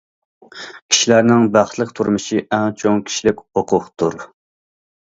كىشىلەرنىڭ بەختلىك تۇرمۇشى ئەڭ چوڭ كىشىلىك ھوقۇقتۇر.